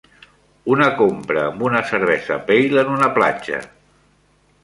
Una compra amb una cervesa pale en una platja.